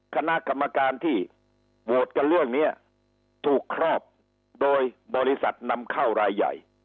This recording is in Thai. คณะกรรมการที่โหวตกันเรื่องนี้ถูกครอบโดยบริษัทนำเข้ารายใหญ่